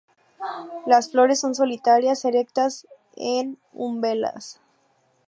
Las flores son solitarias, erectas en umbelas.